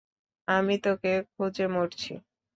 আমি তোকে খুঁজে মরছি!